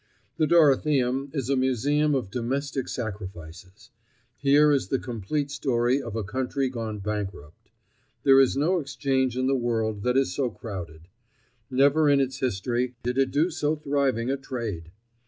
The Dorotheum is a museum of domestic sacrifices. Here is the complete story of a country gone bankrupt. There is no exchange in the world that is so crowded. Never in its history did it do so thriving a trade.